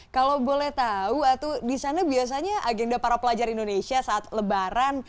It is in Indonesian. kalau boleh tahu atu di sana biasanya agenda para pelajar indonesia saat lebaran